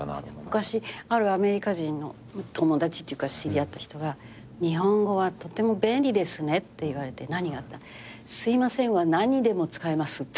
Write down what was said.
昔あるアメリカ人の友達っていうか知り合った人が「日本語はとても便利ですね」って言われて何がって言ったら「『すいません』は何にでも使えます」って。